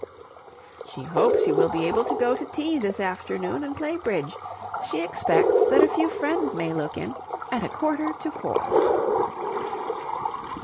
"She hopes you will be able to go to tea this afternoon and play bridge. She expects that a few friends may look in at a quarter to four."